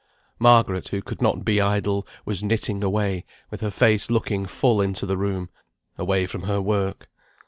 Margaret, who could not be idle, was knitting away, with her face looking full into the room, away from her work.